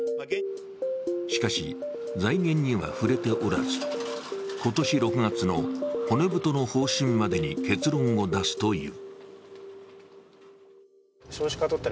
しかし、財源には触れておらず今年６月の骨太の方針までに結論を出すという。